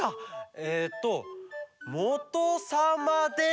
えっと「もとさま」です！